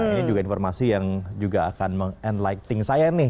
ini juga informasi yang juga akan mengenlighting saya nih